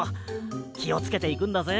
きをつけていくんだぜ。